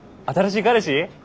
新しい彼氏？